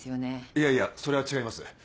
いやいやそれは違います。